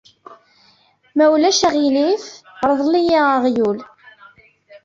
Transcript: Ma ulac aɣiliif, rḍel-iyi aɣyul.